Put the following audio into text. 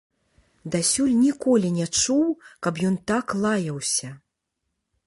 Дасюль ніколі не чуў, каб ён так лаяўся.